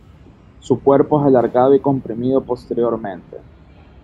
Su cuerpo es alargado y comprimido posteriormente.